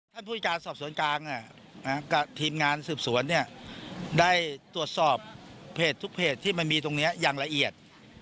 ผู้จัดการสอบสวนกลางกับทีมงานสืบสวนได้ตรวจสอบเพจทุกเพจที่มันมีตรงนี้อย่างละเอียด